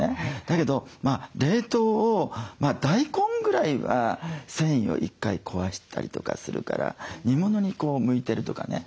だけど冷凍を大根ぐらいは繊維を１回壊したりとかするから煮物に向いてるとかね